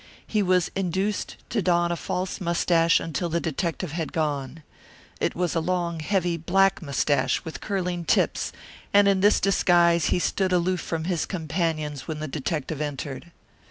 He was induced to don a false mustache until the detective had gone. It was a long, heavy black mustache with curling tips, and in this disguise he stood aloof from his companions when the detective entered.